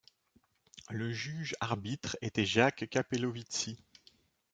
Le juge arbitre était Jacques Capelovici.